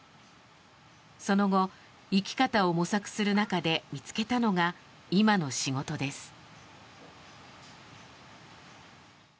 その後、生き方を模索する中で見つけたのが今の仕事です。